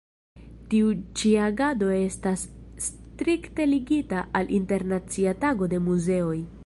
Tiu ĉi agado estas strikte ligita al Internacia Tago de Muzeoj.